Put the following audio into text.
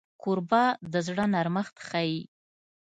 کوربه د زړه نرمښت ښيي.